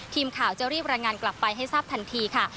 ทีมข่าวจะรีบรายงานกลับไปให้ทราบทันทีค่ะ